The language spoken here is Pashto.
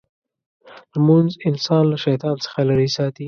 لمونځ انسان له شیطان څخه لرې ساتي.